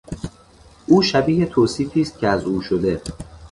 او شبیه توصیفی است که از او شده.